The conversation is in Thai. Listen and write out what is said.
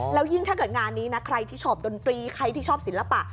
แล้วยิ่งถ้าเกิดงานนี้นะใครที่ชอบดนตรีใครที่ชอบศิลปะ